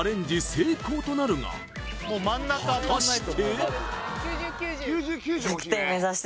成功となるが果たして？